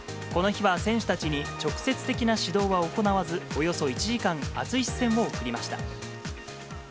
この日は選手たちに直接的な指導は行わず、およそ１時間、熱い視線を送りました。